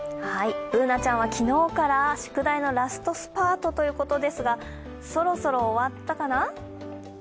Ｂｏｏｎａちゃんは昨日から宿題のラストスパートということですが、そろそろ終わったかな？